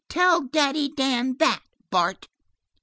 Tell Daddy Dan that, Bart."